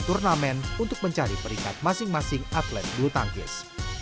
turnamen untuk mencari peringkat masing masing atlet bulu tangkis